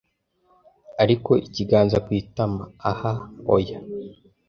ariko ikiganza ku itama ah oya